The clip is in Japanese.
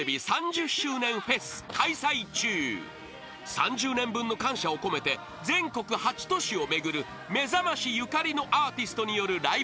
［３０年分の感謝を込めて全国８都市を巡る『めざまし』ゆかりのアーティストによるライブイベント］